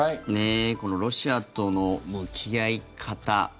このロシアとの向き合い方。